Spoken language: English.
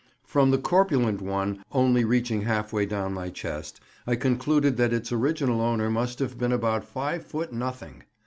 From the "corpulent" one only reaching half way down my chest, I concluded that its original owner must have been about five foot nothing.